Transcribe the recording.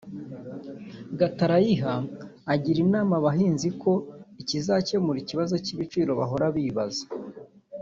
Gatarayiha agira inama abahinzi ko ikizakemura ikibazo cy’ibiciro bahora bibaza